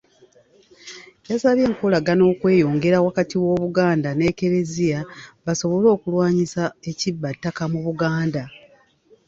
Yasabye enkolagana okweyongera wakati w'Obuganda n'Eklezia, basobole okulwanyisa ekibbattaka mu Buganda.